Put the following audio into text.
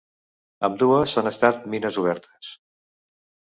Ambdues han estat mines obertes.